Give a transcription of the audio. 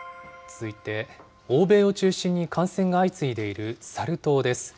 続いて、欧米を中心に感染が相次いでいるサル痘です。